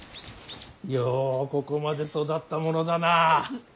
ようここまで育ったものだな。